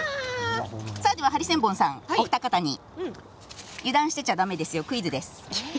ハリセンボンさんお二方油断してちゃだめですよクイズです。